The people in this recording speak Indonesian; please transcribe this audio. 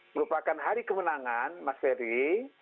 merupakan hari kemenangan mas ferry